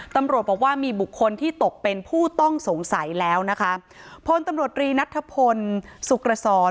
ตำรวจบอกว่ามีบุคคลที่ตกเป็นผู้ต้องสงสัยแล้วนะคะพลตำรวจรีนัทธพลสุขรสร